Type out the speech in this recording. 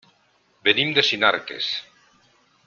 Venim de Sinarques.